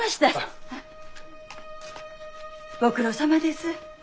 ご苦労さまです。